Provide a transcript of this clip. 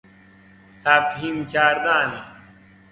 تفهیم کردن